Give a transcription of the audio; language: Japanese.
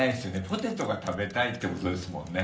ポテトが食べたいってことですもんね。